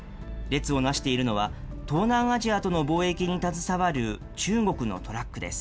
列をなしているのは、東南アジアとの貿易に携わる中国のトラックです。